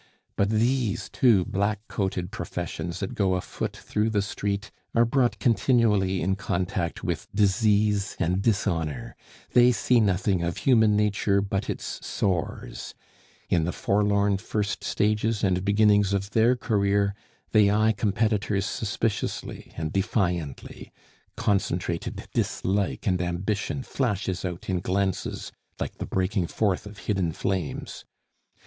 But these two black coated professions that go afoot through the street are brought continually in contact with disease and dishonor; they see nothing of human nature but its sores; in the forlorn first stages and beginnings of their career they eye competitors suspiciously and defiantly; concentrated dislike and ambition flashes out in glances like the breaking forth of hidden flames.